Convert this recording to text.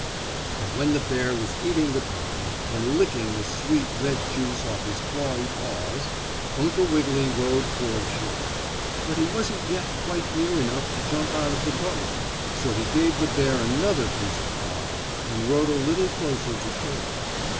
And when the bear was eating the pie, and licking the sweet, red juice off his clawy paws, Uncle Wiggily rowed toward shore. But he wasn't yet quite near enough to jump out of the boat, so he gave the bear another piece of pie and rowed a little closer to shore.